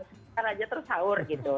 sebentar aja terus sahur gitu